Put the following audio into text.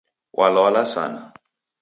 Walwala sana